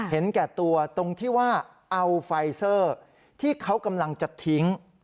เห็นแก่ตัวตรงที่ว่าเอาไฟเซอร์ที่เขากำลังจะทิ้ง